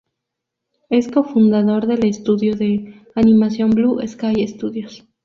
Es cofundador del estudio de animación Blue Sky Studios.